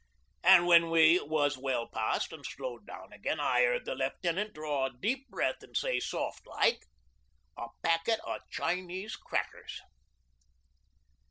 'An' when we was well past an' slowed down again I heard the Left'nant draw a deep breath an' say soft like "... a packet o' Chinese crackers."